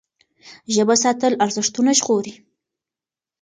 ژبه ساتل ارزښتونه ژغوري.